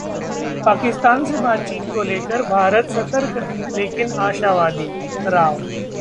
पाकिस्तान से बातचीत को लेकर भारत सतर्क लेकिन आशावादी: राव